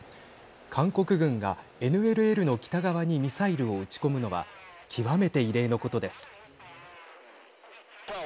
韓国軍がＮＬＬの北側にミサイルを撃ち込むのは極めて異例のことです。